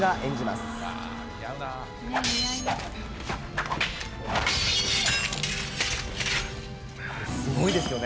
すごいですよね。